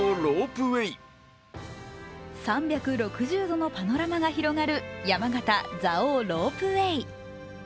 ３６０度のパノラマが広がる山形・蔵王ロープウェイ。